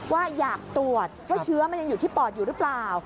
ว่าอยากตรวจว่าเชื้อมันยังอยู่ที่ปอดอยู่หรือเปล่า